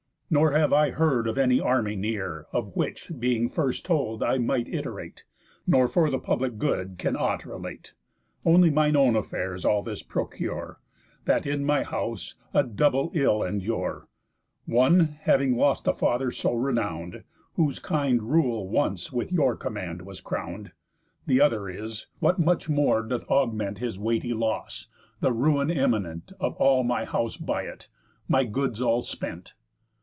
Nor have I heard of any army near, Of which, being first told, I might iterate, Nor for the public good can aught relate, Only mine own affairs all this procure, That in my house a double ill endure; One, having lost a father so renown'd, Whose kind rule once with' your command was crown'd; The other is, what much more doth augment His weighty loss, the ruin imminent Of all my house by it, my goods all spent.